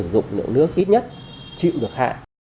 các địa phương phải sử dụng liệu nước ít nhất chịu được hạ